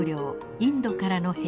インドからの兵士。